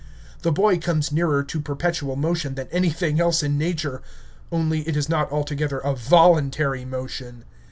The boy comes nearer to perpetual motion than anything else in nature, only it is not altogether a voluntary motion.